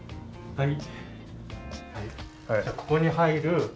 はい。